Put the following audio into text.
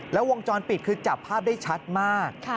แล้ววงจรปิดคือจับภาพได้ชัดมาก